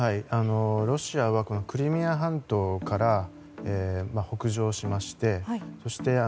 ロシアはクリミア半島から北上しましてそして